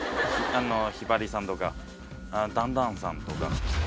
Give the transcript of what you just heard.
ひばりさんとかダウンタウンさんとか。